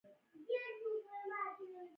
پوره صدۍ جـنګ وشو.